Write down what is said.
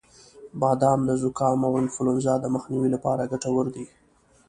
• بادام د زکام او انفلونزا د مخنیوي لپاره ګټور دی.